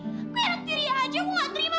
gue mandiri aja aku gak terima